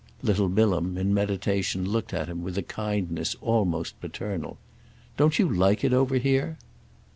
Little Bilham, in meditation, looked at him with a kindness almost paternal. "Don't you like it over here?"